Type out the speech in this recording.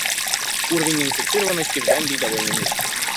Уровень инфицированности в Гамбии довольно низкий.